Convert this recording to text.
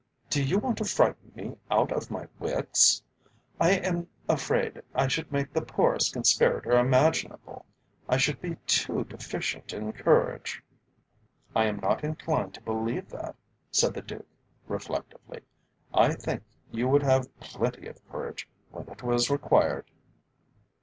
"Do you want to frighten me out of my wits? I am afraid I should make the poorest conspirator imaginable. I should be too deficient in courage." "I am not inclined to believe that," said the Duke, reflectively. "I think you would have plenty of courage when it was required."